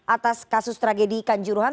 atas kasus tragedi ikan juruhan